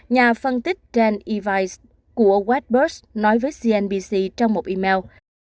nhà phân tích dan eves của whitebirds nói với cnbc trong một email